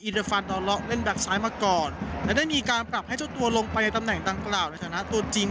ฟันดอลเลาะเล่นแก๊กซ้ายมาก่อนและได้มีการปรับให้เจ้าตัวลงไปในตำแหน่งดังกล่าวในฐานะตัวจริง